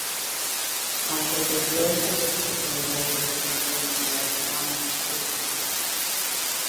Aunque perdió estas dos oportunidades de ser campeón mundial, no anunció su retiro.